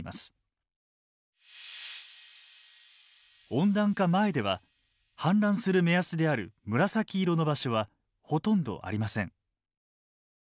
温暖化前では氾濫する目安である紫色の場所はほとんどありません。